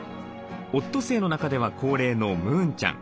オットセイの中では高齢のムーンちゃん。